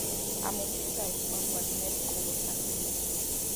ამ ომში დაიღუპა ვლადიმერ კილოსანიძე.